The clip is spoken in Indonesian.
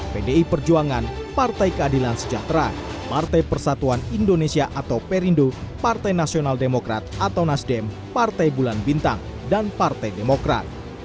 pdi perjuangan partai keadilan sejahtera partai persatuan indonesia atau perindo partai nasional demokrat atau nasdem partai bulan bintang dan partai demokrat